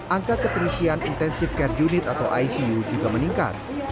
angka keterisian intensive care unit atau icu juga meningkat